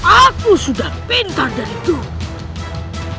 aku sudah pintar dari dulu